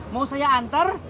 mau saya antar